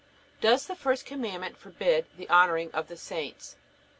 Q. Does the first Commandment forbid the honoring of the saints?